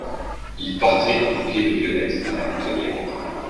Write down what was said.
Il portait un bouquet de violettes a la boutonniere.